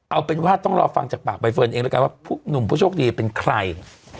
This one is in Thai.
เอาเป็นว่าต้องรอฟังจากปากใบเฟิร์นเองแล้วกันว่าหนุ่มผู้โชคดีเป็นใคร